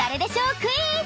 クイズ！